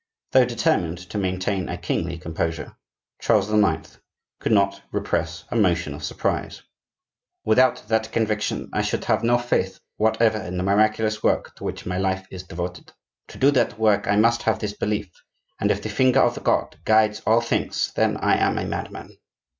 Though determined to maintain a kingly composure, Charles IX. could not repress a motion of surprise. "Without that conviction I should have no faith whatever in the miraculous work to which my life is devoted. To do that work I must have this belief; and if the finger of God guides all things, then—I am a madman.